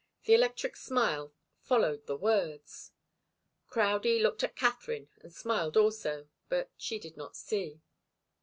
The electric smile followed the words. Crowdie looked at Katharine and smiled also, but she did not see.